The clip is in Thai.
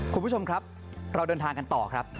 คุณผู้ชมครับเราเดินทางกันต่อครับ